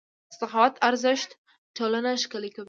د سخاوت ارزښت ټولنه ښکلې کوي.